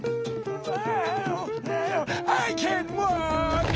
うわ！